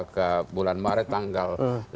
ke bulan maret tanggal